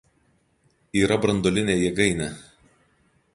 Yra branduolinė jėgainė.